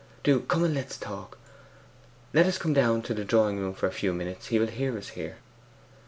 Do come and let us talk. Let us come down to the drawing room for a few minutes; he will hear us here.